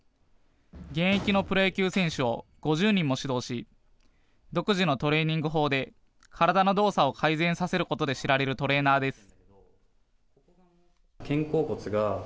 現役のプロ野球選手を５０人も指導し、独自のトレーニング法で体の動作を改善させることで知られるトレーナーです。